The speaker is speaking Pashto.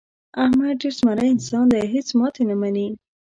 احمد ډېر زمری انسان دی. هېڅ ماتې نه مني.